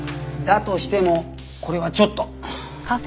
だとしてもこれはちょっと。